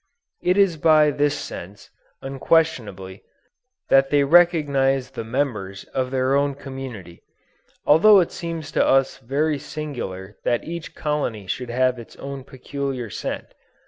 It is by this sense, unquestionably, that they recognize the members of their own community, although it seems to us very singular that each colony should have its own peculiar scent.